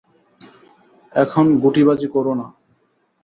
এখন গুটিবাজি কোরো না।